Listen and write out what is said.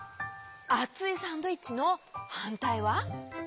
あついサンドイッチのはんたいは？